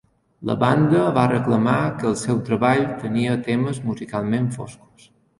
La banda va reclamar que el seu treball tenia temes musicalment foscos.